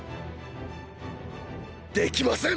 できません。